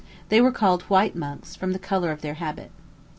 They were called white monks, from the color of their habit.